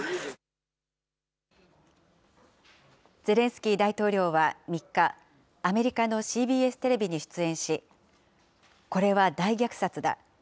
ゼレンスキー大統領は、３日、アメリカのＣＢＳテレビに出演し、これは大虐殺だ。